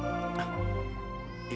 biasa kita pergi